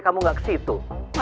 udah ngeri ngeri aja